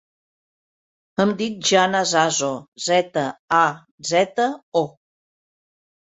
Em dic Gianna Zazo: zeta, a, zeta, o.